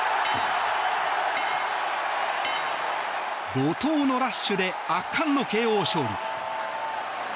怒涛のラッシュで圧巻のＫＯ勝利。